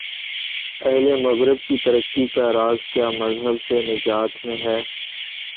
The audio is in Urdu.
اہل مغرب کی ترقی کا راز کیا مذہب سے نجات میں ہے؟